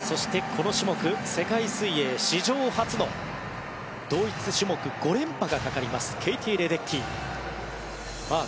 そしてこの種目世界水泳史上初の同一種目５連覇がかかりますケイティ・レデッキー。